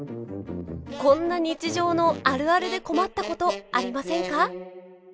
こんな日常のあるあるで困ったことありませんか？